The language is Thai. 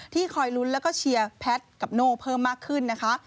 คอยลุ้นแล้วก็เชียร์แพทย์กับโน่เพิ่มมากขึ้นนะคะ